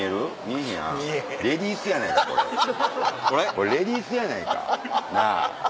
これレディースやないかなぁ。